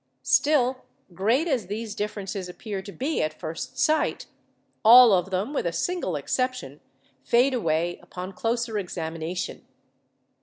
Still, great as these differences appear to be at first sight, all of them, with a single exception, fade away upon closer examination.